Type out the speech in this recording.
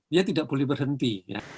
dia tidak boleh berhenti